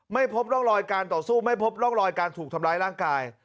ไม่พบร่องรอยการต่อสู้ไม่พบร่องรอยการถูกทำร้ายร่างกาย